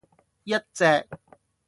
一隻